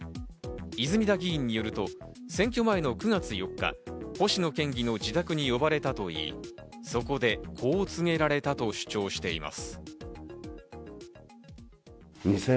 泉田議員によると、選挙前の９月４日、星野県議の自宅に呼ばれたといい、そこでこう告げられたと主張しています。